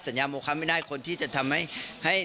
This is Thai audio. ยาโมคะไม่ได้คนที่จะทำให้